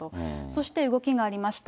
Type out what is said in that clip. そして、動きがありました。